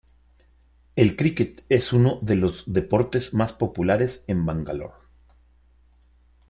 El cricket es uno de los deportes más populares en Bangalore.